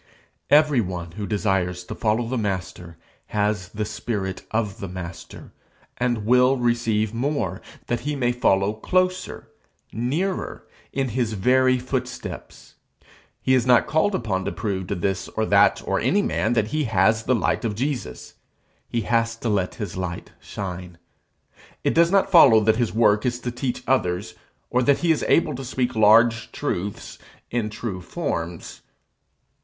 Everyone who desires to follow the Master has the spirit of the Master, and will receive more, that he may follow closer, nearer, in his very footsteps. He is not called upon to prove to this or that or any man that he has the light of Jesus; he has to let his light shine. It does not follow that his work is to teach others, or that he is able to speak large truths in true forms.